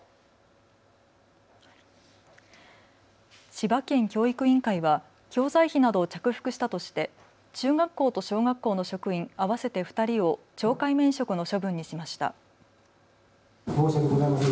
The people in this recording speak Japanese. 千葉県教育委員会は教材費などを着服したとして中学校と小学校の職員合わせて２人を懲戒免職の処分にしました。